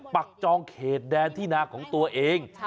จองเขตแดนที่นาของตัวเอง